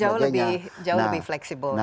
jadi jauh lebih fleksibel ya